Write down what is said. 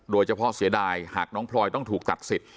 โดยเฉพาะเสียดายหากน้องพลอยต้องถูกตัดสิทธิ์